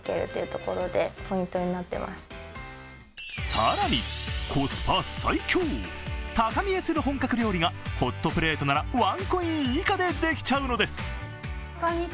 更に、コスパ最強、高見えする本格料理がホットプレートならワンコイン以下でできちゃうのです。